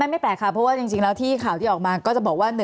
ไม่แปลกค่ะเพราะว่าจริงแล้วที่ข่าวที่ออกมาก็จะบอกว่า